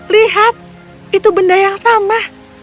lihat itu benda yang sama